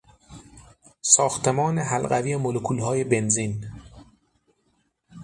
ساختمان حلقوی مولکولهای بنزین